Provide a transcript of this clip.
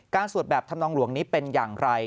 การสวดแบบธำนองหลวงนี่เป็นอย่างไร